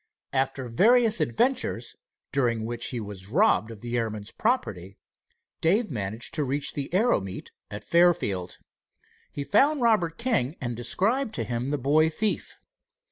After various adventures, during which he was robbed of the airman's property, Dave managed to reach the aero meet at Fairfield. He found Robert King and described to him the boy thief.